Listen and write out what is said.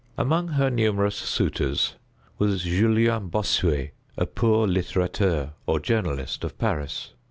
Among her numerous suitors was Julien Bossuet, a poor litterateur, or journalist of Paris.